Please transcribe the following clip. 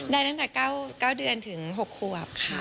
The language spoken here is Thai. ได้ตั้งแต่๙เดือนถึง๖ขวบค่ะ